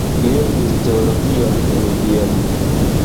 Li lernis teologion en Vieno.